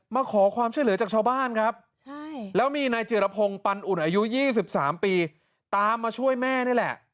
มาขอความช่วยเหลือจากชาวบ้านครับแล้วมีนายจิรพงศ์ปันอุ่นอายุ๒๓ปีตามมาช่วยแม่นี่แหละ